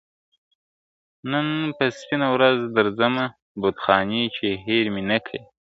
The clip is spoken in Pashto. نن په سپینه ورځ درځمه بتخانې چي هېر مي نه کې !.